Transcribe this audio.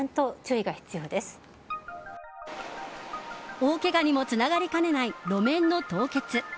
大けがにもつながりかねない路面の凍結。